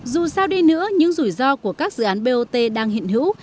dù sao đi nữa những rủi ro của các dự án bot đang hiện hữu